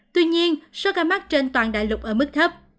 tuy nhiên số ca mắc trên toàn đại lục ở mức thấp